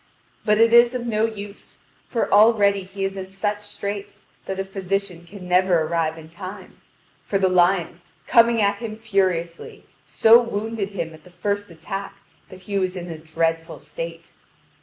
But it is of no use, for already he is in such straits that a physician can never arrive in time; for the lion, coming at him furiously, so wounded him at the first attack, that he was in a dreadful state.